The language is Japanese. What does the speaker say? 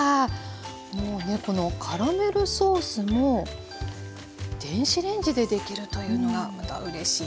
もうねこのカラメルソースも電子レンジでできるというのがまたうれしいんですけれども。